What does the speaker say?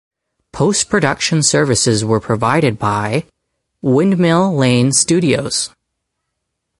Postproduction services were provided by Windmill Lane Studios.